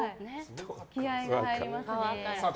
気合が入りますね。